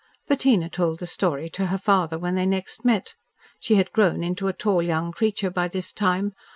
Bettina told the story to her father when they next met. She had grown into a tall young creature by this time.